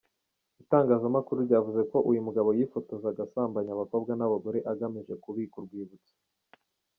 Itangazamakuru ryavuze ko uyu mugabo yifotozaga asambanya abakobwa n’abagore, agamije kubika urwibutso.